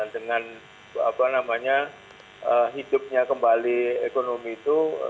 dengan apa namanya hidupnya kembali ekonomi itu